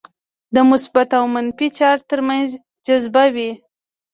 د مثبت او منفي چارج ترمنځ جذبه وي.